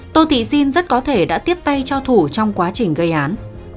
tô thị xin rất có thể đã tiếp tay cho thủ trong quá trình gây án